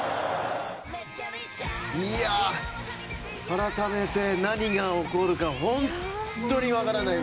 改めて何が起こるか本当に分からない。